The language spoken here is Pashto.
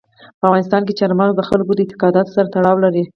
په افغانستان کې چار مغز د خلکو د اعتقاداتو سره تړاو لري.